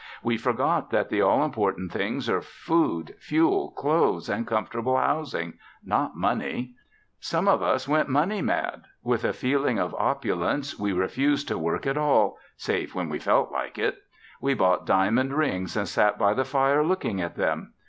We forgot that the all important things are food, fuel, clothes and comfortable housing not money. Some of us went money mad. With a feeling of opulence we refused to work at all, save when we felt like it. We bought diamond rings and sat by the fire looking at them.